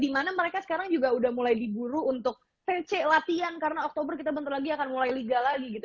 karena mereka sekarang juga udah mulai diburu untuk pc latihan karena oktober kita bentar lagi akan mulai liga lagi gitu